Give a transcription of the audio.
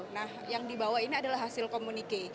nah yang dibawa ini adalah hasil komunike